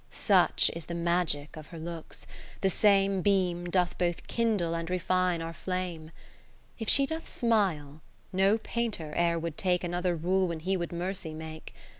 Such is the magic of her looks, the same Beam doth both kindle and refine our flame. If she doth smile, no painter e'er would take Another rule when he would Mercy make.